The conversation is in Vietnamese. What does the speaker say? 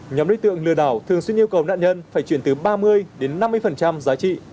nhóm đối tượng lừa đảo thường xuyên yêu cầu nạn nhân phải chuyển từ ba mươi đến năm mươi giá trị